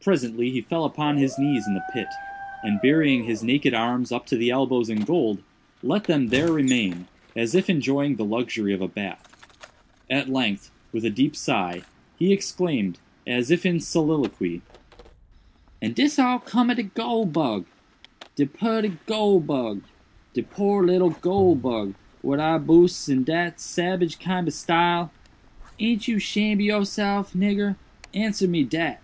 Presently he fell upon his knees in the pit, and, burying his naked arms up to the elbows in gold, let them there remain, as if enjoying the luxury of a bath. At length, with a deep sigh, he exclaimed, as if in a soliloquy: "And dis all cum ob de goole bug! de putty goole bug! de poor little goole bug, what I boosed in dat sabage kind ob style! Aint you shamed ob yourself, nigger?—answer me dat!"